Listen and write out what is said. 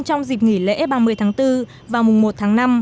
trong dịp nghỉ lễ ba mươi tháng bốn và mùng một tháng năm